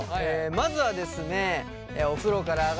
まずはですねあっ